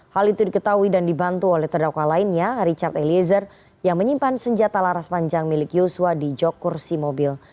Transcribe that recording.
hal itu diketahui dan dibantu oleh terdakwa lainnya richard eliezer yang menyimpan senjata laras panjang milik yosua di jok kursi mobil